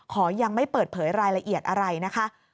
ขอยังไม่เปิดเผยรายละเอียดอะไรนะคะ